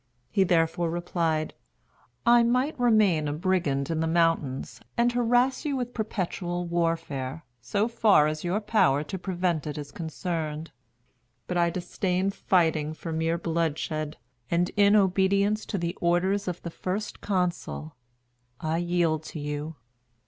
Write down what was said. He therefore replied: "I might remain a brigand in the mountains, and harass you with perpetual warfare, so far as your power to prevent it is concerned. But I disdain fighting for mere bloodshed; and, in obedience to the orders of the First Consul, I yield to you.